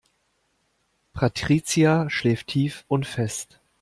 Patricia schläft tief und fest.